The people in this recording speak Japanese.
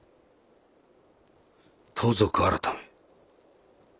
盗賊改？